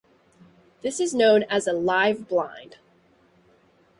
This is known as a "live blind".